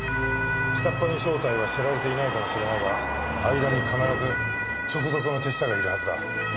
下っ端に正体は知られていないかもしれないが間に必ず直属の手下がいるはずだ。